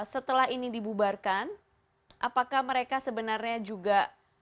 setelah ini dibubarkan apakah mereka sebenarnya juga